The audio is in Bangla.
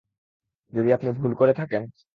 যদি আপনি ভুল করে থাকেন?